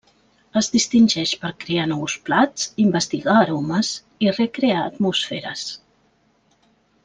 Es distingeix per crear nous plats, investigar aromes i recrear atmosferes.